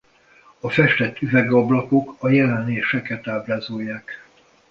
A festett üvegablakok a jelenéseket ábrázolják.